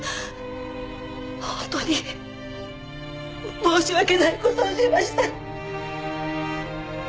本当に申し訳ない事をしました。